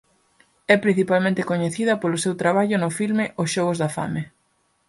É principalmente coñecida polo seu traballo no filme "Os xogos da fame".